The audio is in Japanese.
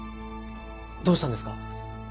どうしたんですか？